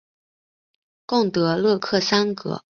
贡德勒克桑格。